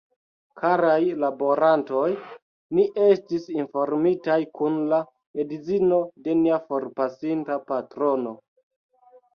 Karaj laborantoj, ni estis informitaj kun la edzino de nia forpasinta patrono